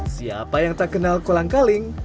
siapa yang tak kenal kolang kaling